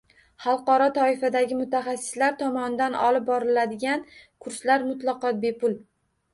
Xalqaro toifadagi mutaxassislar tomonidan olib boriladigan kurslar mutlaqo bepul.